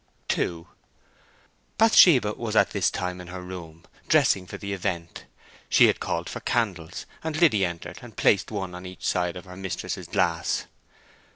II Bathsheba was at this time in her room, dressing for the event. She had called for candles, and Liddy entered and placed one on each side of her mistress's glass.